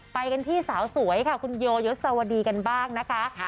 ไปกันที่สาวสวยค่ะคุณโยยศวดีกันบ้างนะคะ